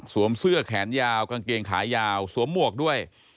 เสื้อแขนยาวกางเกงขายาวสวมหมวกด้วย